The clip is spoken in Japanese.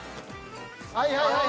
はいはいはい。